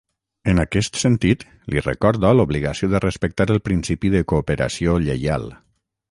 En aquest sentit, li recorda l’obligació de respectar el principi de cooperació lleial.